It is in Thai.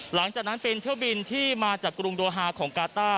หลังจากนั้นเป็นเที่ยวบินที่มาจากกรุงโดฮาของกาต้า